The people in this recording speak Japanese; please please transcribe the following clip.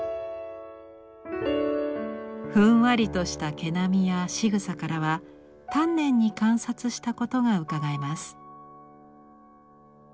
ふんわりとした毛並みやしぐさからは丹念に観察したことがうかがえます。